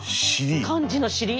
漢字の「尻」。